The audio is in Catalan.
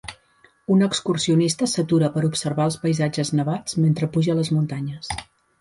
Un excursionista s'atura per observar els paisatges nevats mentre puja les muntanyes.